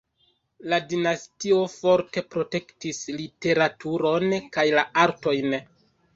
La dinastio forte protektis literaturon kaj la artojn.